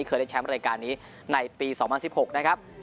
เคยได้แชมป์รายการนี้ในปี๒๐๑๖นะครับ